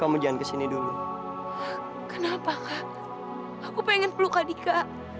aku pengen peluk kak dika